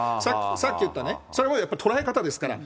さっき言ったね、それも捉え方ですから。